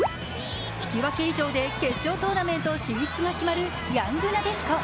引き分け以上で決勝トーナメント進出が決まるヤングなでしこ。